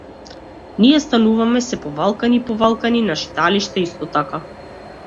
Ние стануваме сѐ повалкани и повалкани, нашите алишта исто така.